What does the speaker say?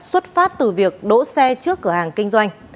xuất phát từ việc đỗ xe trước cửa hàng kinh doanh